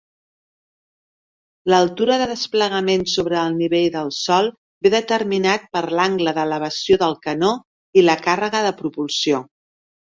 L'altura de desplegament sobre el nivell del sòl ve determinat per l'angle d'elevació del canó i la càrrega de propulsió.